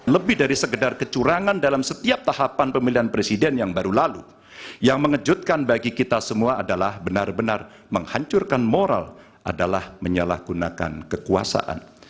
lebih dari sekedar kecurangan dalam setiap tahapan pemilihan presiden yang baru lalu yang mengejutkan bagi kita semua adalah benar benar menghancurkan moral adalah menyalahgunakan kekuasaan